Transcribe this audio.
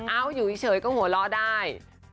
อยู่เฉยก็หัวเราะได้